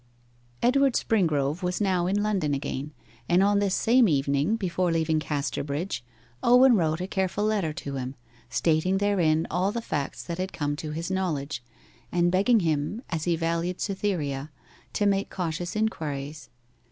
Edward Springrove was now in London again, and on this same evening, before leaving Casterbridge, Owen wrote a careful letter to him, stating therein all the facts that had come to his knowledge, and begging him, as he valued Cytherea, to make cautious inquiries.